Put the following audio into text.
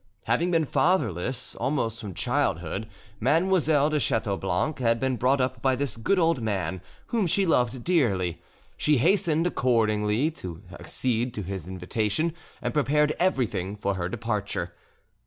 Having been fatherless almost from childhood, Mademoiselle de Chateaublanc had been brought up by this good old man, whom she loved dearly; she hastened accordingly to accede to his invitation, and prepared everything for her departure.